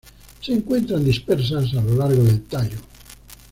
Se encuentran dispersas a lo largo del tallo.